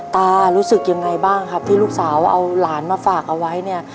ตารู้สึกยังไงบ้างครับที่ลูกสาวเอาหลานมาฝากเอาไว้เนี่ย